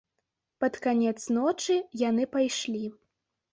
Пад канец ночы яны пайшлі.